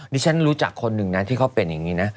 ฉันรู้จักคนหนึ่งนะที่เขาเป็นอย่างนี้นะ